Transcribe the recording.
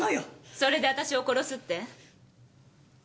それで私を殺すって？